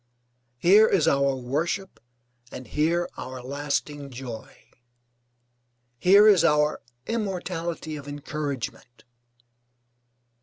Here is our worship and here our lasting joy, here is our immortality of encouragement.